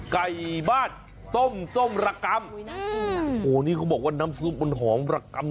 ไก่บ้านต้มส้มระกำโหนี่เขาบอกว่าน้ำซุปมันหอมระกำ